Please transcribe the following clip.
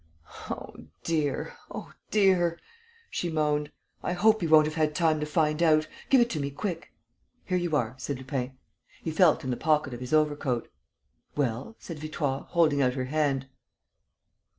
"Oh dear, oh dear!" she moaned. "I hope he won't have had time to find out. Give it to me, quick." "Here you are," said Lupin. He felt in the pocket of his overcoat. "Well?" said Victoire, holding out her hand.